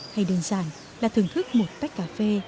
hay đơn giản là thưởng thức một tách cà phê